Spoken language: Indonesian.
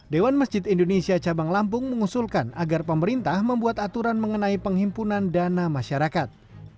dewan masjid indonesia cabang lampung mengusulkan agar pemerintah membuat aturan mengenai penghimpunan dana masyarakat